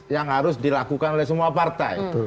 yang harus dilakukan oleh semua partai